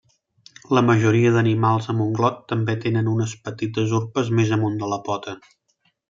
La majoria d'animals amb unglot també tenen unes petites urpes més amunt de la pota.